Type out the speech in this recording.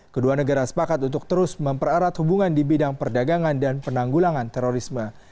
kedua negara sepakat untuk terus memperarat hubungan di bidang perdagangan dan penanggulangan terorisme